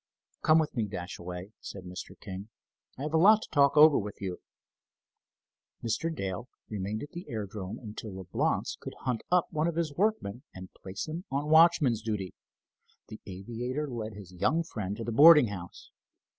"Come with me, Dashaway," said Mr. King. "I have a lot to talk over with you." Mr. Dale remained at the aerodrome until Leblance could hunt up one of his workmen and place him on watchman's duty. The aviator led his young friend to the boarding house.